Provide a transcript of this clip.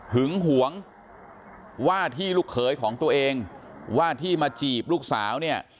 หึงหวงว่าที่ลูกเขยของตัวเองว่าที่มาจีบลูกสาวเนี่ย